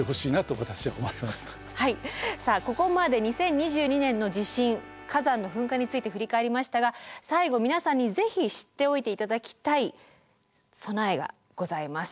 さあここまで２０２２年の地震火山の噴火について振り返りましたが最後皆さんに是非知っておいていただきたい備えがございます。